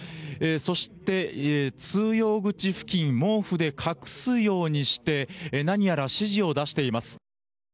そして通用口付近毛布で隠すようにして何やら指示を出しています。